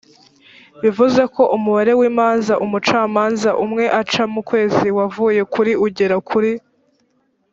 bivuze ko umubare w imanza umucamanza umwe aca mu kwezi wavuye kuri ugera kuri